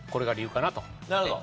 なるほど。